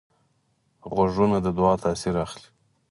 غوږونه د دعا تاثیر اخلي